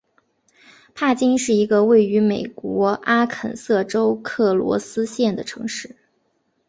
帕金是一个位于美国阿肯色州克罗斯县的城市。